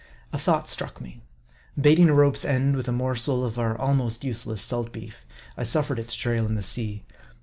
A thought struck me. Baiting a rope's end with a mor sel of our almost useless salt beef, I suffered it to trail in the sea.